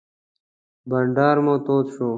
بانډار مو تود شو.